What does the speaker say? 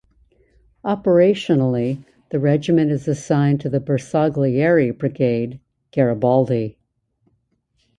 Operationally the regiment is assigned to the Bersaglieri Brigade "Garibaldi".